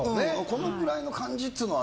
このくらいの感じっていうのは。